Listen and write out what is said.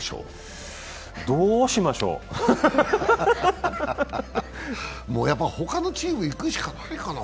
どうしましょう？ほかのチーム行くしかないかな。